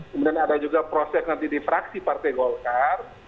kemudian ada juga proses nanti di fraksi partai golkar